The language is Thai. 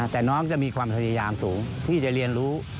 แต่น้องจะมีความพยายามสูงที่จะเรียนรู้